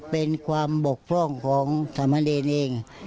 เป็นความบกพร่องของธรรมเนรเอง